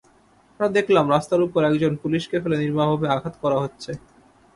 হঠাৎ দেখলাম রাস্তার ওপর একজন পুলিশকে ফেলে নির্মমভাবে আঘাত করা হচ্ছে।